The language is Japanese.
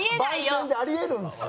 番宣であり得るんですよ。